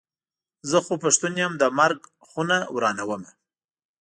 زه خو پښتون یم د مرک خونه ورانومه.